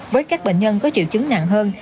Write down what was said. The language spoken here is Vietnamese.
với các bệnh nhân có triệu chứng nặng hơn